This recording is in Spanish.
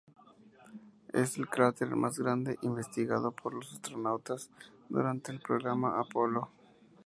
Es el cráter más grande investigado por los astronautas durante el programa Apolo.